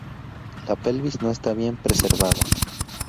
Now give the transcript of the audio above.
La pelvis no está bien preservada.